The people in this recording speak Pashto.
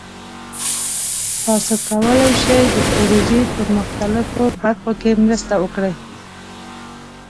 تاسو کولی شئ د پروژې په مختلفو برخو کې مرسته وکړئ.